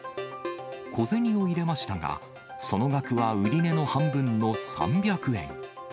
小銭を入れましたが、その額は売値の半分の３００円。